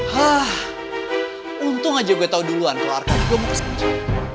haaaah untung aja gue tau duluan kalo arka juga mau kesemujan